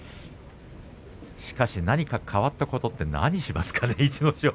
しかし何か変わったこととは、何をしますかね逸ノ城。